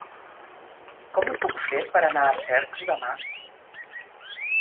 Com ho puc fer per anar a Cercs demà?